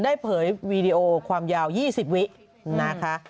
เผยวีดีโอความยาว๒๐วินะคะ